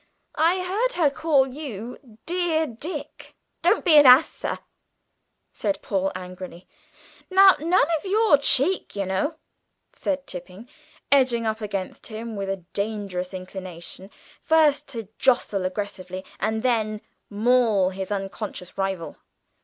I heard her call you 'dear Dick.'" "Don't be an ass, sir!" said Paul angrily. "Now, none of your cheek, you know!" said Tipping, edging up against him with a dangerous inclination first to jostle aggressively, and then maul his unconscious rival.